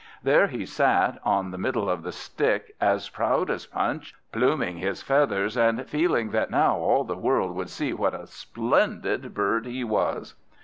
There he sat, on the middle of the stick, as proud as Punch, pluming his feathers, and feeling that now all the world would see what a splendid bird he was.